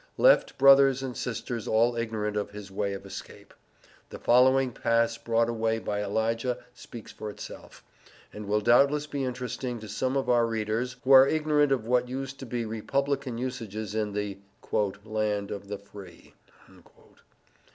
Left brothers and sisters, all ignorant of his way of escape. The following pass brought away by Elijah speaks for itself, and will doubtless be interesting to some of our readers who are ignorant of what used to be Republican usages in the "land of the Free."